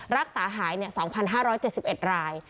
รักษาหาย๒๕๗๑ราย